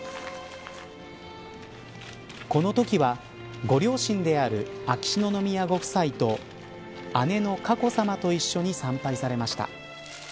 このときは、ご両親である秋篠宮ご夫妻と姉の佳子さまと一緒に参拝されました。